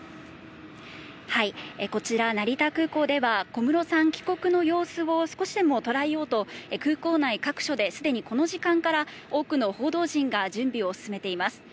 こちら、成田空港では小室さん帰国の様子を少しでもとらえようと空港内各所ですでにこの時間から多くの報道陣が準備を進めています。